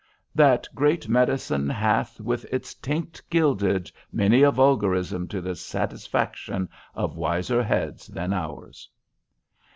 That great medicine hath With its tinct gilded— many a vulgarism to the satisfaction of wiser heads than ours.